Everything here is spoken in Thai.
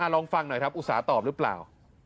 ลองฟังหน่อยครับอุตส่าหตอบหรือเปล่า